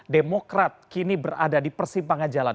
demokrat kini berada di persimpangan jalan